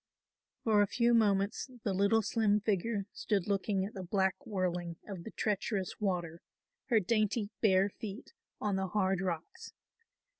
For a few moments the little slim figure stood looking at the black whirling of the treacherous water, her dainty bare feet on the hard rocks.